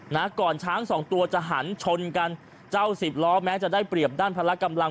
นะก่อนช้างสองตัวจะหันชนกันเจ้าสิบล้อแม้จะได้เปรียบด้านพละกำลัง